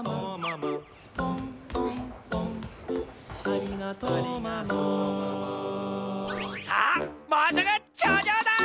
「とんとんとんありがとママ」さあもうすぐちょうじょうだ！